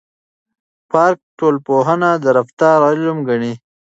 پارک ټولنپوهنه د رفتار علم ګڼي.